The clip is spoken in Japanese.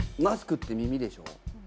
マスクって耳でしょ？